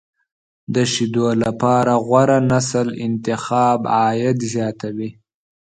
د شیدو لپاره غوره نسل انتخاب، عاید زیاتوي.